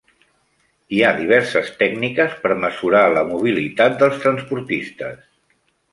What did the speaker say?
Hi ha diverses tècniques per mesurar la mobilitat dels transportistes.